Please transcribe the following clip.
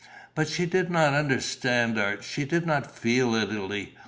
But she did not understand art, she did not feel Italy.